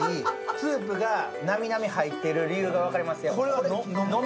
スープがなみなみ入ってる理由が分かりますよ。